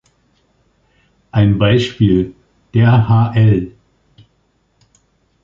Ein Beispiel: Der hl.